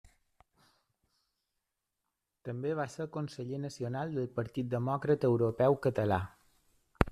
També va ser conseller Nacional del Partit Demòcrata Europeu Català.